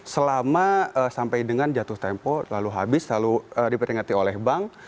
selama sampai dengan jatuh tempo lalu habis lalu diperingati oleh bank